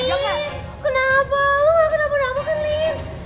lo gak kenapa kenapa kan lin